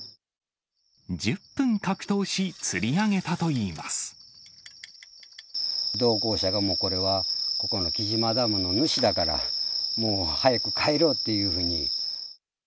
１０分格闘し、同行者が、もうここの来島ダムの主だから、もう早く帰ろうっていうふうに。